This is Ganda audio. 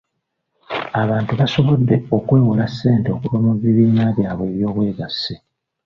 Abantu basobodde okwewola ssente okuva mu bibiina byabwe eby'obwegassi.